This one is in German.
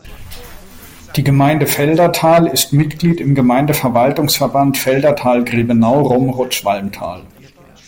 Die Gemeinde Feldatal ist Mitglied im Gemeindeverwaltungsverband Feldatal-Grebenau-Romrod-Schwalmtal.